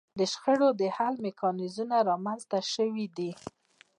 د شخړو د حل میکانیزمونه رامنځته شوي دي